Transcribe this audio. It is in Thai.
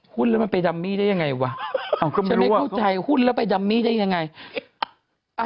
หุ้นแล้วไปดัมมี่ได้ยังไงวะ